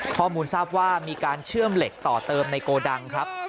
ข้อมูลทราบว่ามีการเชื่อมเหล็กต่อเติมในโกดังครับ